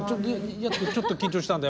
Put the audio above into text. ちょっと緊張したんだ。